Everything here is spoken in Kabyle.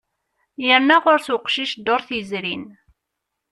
Yerna ɣur-s uqcic ddurt yezrin.